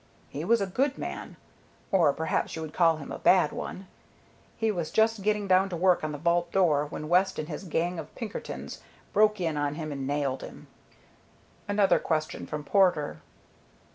"He was a good man, or perhaps you would call him a bad one. He was just getting down to work on the vault door when West and his gang of Pinkertons broke in on him and nailed him." Another question from Porter.